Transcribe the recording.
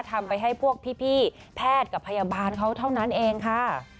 ทำไปให้พวกพี่แพทย์กับพยาบาลเขาเท่านั้นเองค่ะ